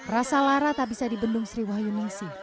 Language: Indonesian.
rasa lara tak bisa dibendung sri wahyu ningsi